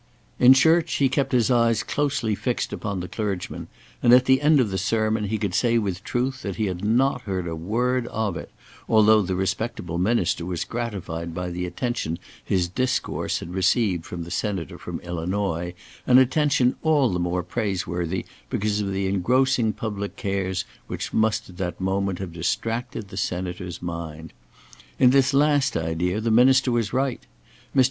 In church, he kept his eyes closely fixed upon the clergyman, and at the end of the sermon he could say with truth that he had not heard a word of it, although the respectable minister was gratified by the attention his discourse had received from the Senator from Illinois, an attention all the more praiseworthy because of the engrossing public cares which must at that moment have distracted the Senator's mind. In this last idea, the minister was right. Mr.